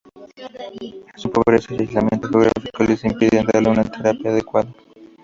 Su pobreza y aislamiento geográfico les impiden darle una terapia adecuada.